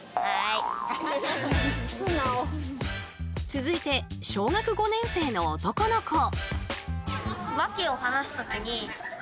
続いて小学５年生の男の子。